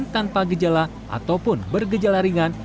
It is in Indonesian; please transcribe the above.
tanpa gejala ataupun bergejala ringan